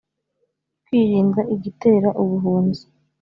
kwirinda igitera ubuhunzi